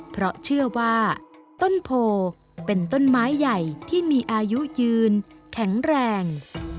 เพราะเชื่อว่าต้นโพเป็นต้นไม้ใหญ่ที่มีอายุยืนแข็งแรง